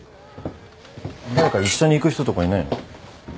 誰か一緒に行く人とかいないの？